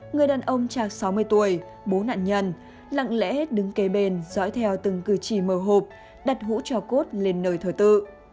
người đàn ông chạc sáu mươi tuổi bố nạn nhân lặng lẽ đứng kế bên dõi theo từng cử chỉ mờ hộp đặt hũ trào cốt lên nơi thờ tự